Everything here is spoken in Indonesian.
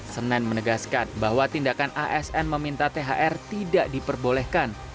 semen menegaskan bahwa tindakan asm meminta thr tidak diperbolehkan